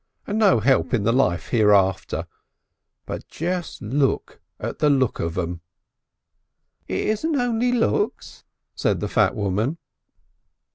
And no help in the life hereafter. But just look at the look of them!" "It isn't only looks," said the fat woman.